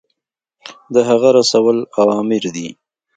د هغه رسول اوامر دي.